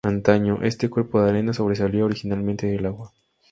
Antaño, este cuerpo de arena sobresalía originalmente del agua.